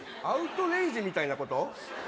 『アウトレイジ』みたいなこと？